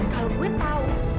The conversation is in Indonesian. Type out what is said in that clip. kalau gue tahu